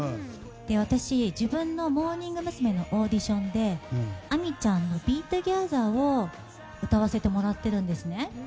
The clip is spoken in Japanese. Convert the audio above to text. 私、自分のモーニング娘。のオーディションで亜美ちゃんの「ＢＥＴＯＧＥＴＨＥＲ」を歌わせてもらっているんですね。